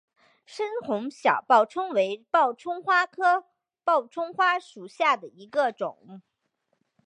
深红小报春为报春花科报春花属下的一个种。